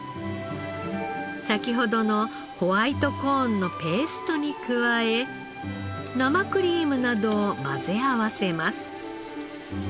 先ほどのホワイトコーンのペーストに加え生クリームなどを混ぜ合わせます。